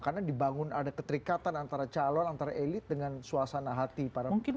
karena dibangun ada keterikatan antara calon antara elite dengan suasana hati para pendukung